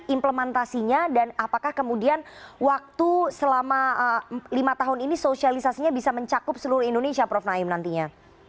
implementasinya dan apakah kemudian waktu selama lima tahun ini sosialisasinya bisa mencakup seluruh indonesia prof naim nantinya